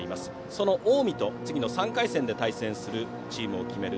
その近江と次の３回戦で対戦するチームを決める